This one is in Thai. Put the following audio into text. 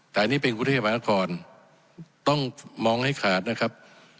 แต่อันนี้เป็นกรุงเทพมหานครต้องมองให้ขาดนะครับ